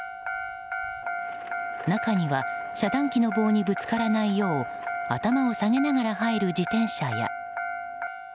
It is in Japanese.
中には遮断機の棒にぶつからないよう頭を下げながら入る自転車や。